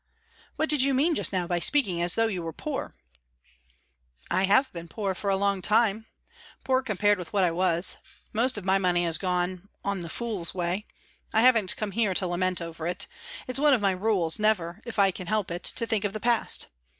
"What did you mean just now by speaking as though you were poor?" "I have been poor for a long time poor compared with what I was. Most of my money has gone on the fool's way. I haven't come here to lament over it. It's one of my rules never, if I can help it, to think of the past.